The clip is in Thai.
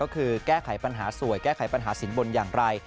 ก็คือแก้ไขปัญหาสวยแก้ไขปัญหาสินบนอย่างไร